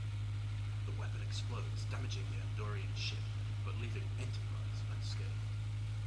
The weapon explodes, damaging the Andorian ship but leaving "Enterprise" unscathed.